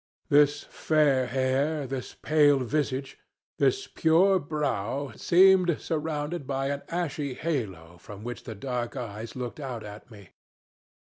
This fair hair, this pale visage, this pure brow, seemed surrounded by an ashy halo from which the dark eyes looked out at me.